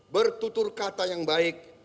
bertutur kata yang baik